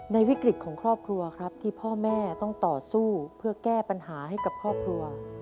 วิกฤตของครอบครัวครับที่พ่อแม่ต้องต่อสู้เพื่อแก้ปัญหาให้กับครอบครัว